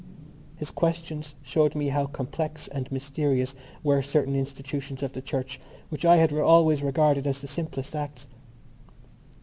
His questions showed me how complex and mysterious were certain institutions of the Church which I had always regarded as the simplest acts.